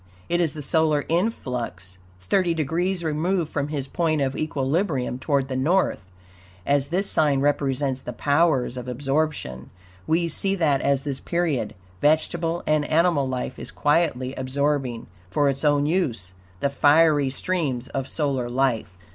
It is the solar influx, thirty degrees removed from his point of equilibrium toward the North. As this sign represents the powers of absorption, we see that at this period vegetable and animal life is quietly absorbing, for its own use, the fiery streams of solar life.